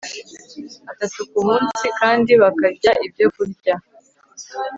atatu ku munsi kandi bakarya ibyokurya